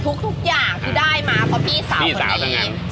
ทุกอย่างที่ได้มาเพราะพี่สาวคนนี้